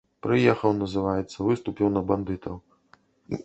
Прыехаў, называецца, выступіў на бандытаў.